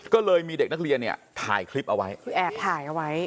ก็เลยมีเด็กนักเรียนถ่ายคลิปเอาไว้